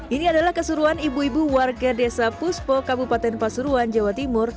ini adalah keseruan ibu ibu warga desa puspo kabupaten pasuruan jawa timur